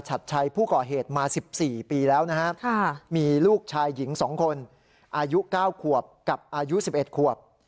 อายุ๙ควบกับอายุ๑๑ควบ